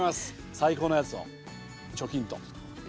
最高のやつをチョキンと。